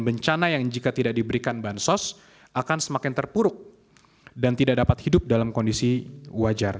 bencana yang jika tidak diberikan bansos akan semakin terpuruk dan tidak dapat hidup dalam kondisi wajar